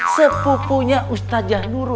sepupunya ustaz janurul